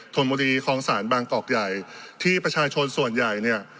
ธนบุรีคลองศาลบางกอกใหญ่ที่ประชาชนส่วนใหญ่เนี่ย